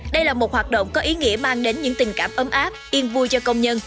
đây là một hoạt động có ý nghĩa mang đến những tình cảm ấm áp yên vui cho công nhân